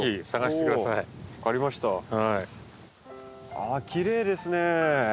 ああきれいですね。